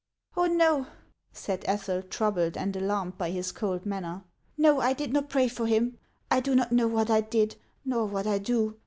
" Oh, no," said Ethel, troubled and alarmed by his cold manner, " no, I did not pray for him. I do not know what I did, nor what I do.